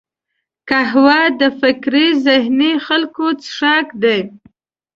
قهوه د فکري ذهیني خلکو څښاک دی